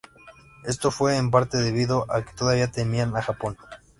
Esto fue, en parte, debido a que todavía temían a Japón.